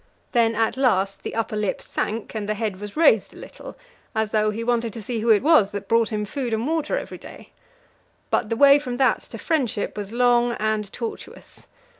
Then at last the upper lip sank and the head was raised a little, as though he wanted to see who it was that brought him food and water every day. But the way from that to friendship was long and tortuous.